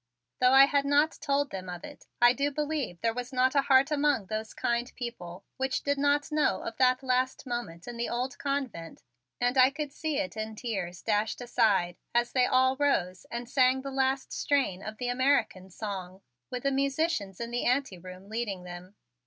Though I had not told them of it, I do believe there was not a heart among those kind people which did not know of that last moment in the old convent and I could see it in tears dashed aside as they all rose and sang the last strain of the American song, with the musicians in the anteroom leading them.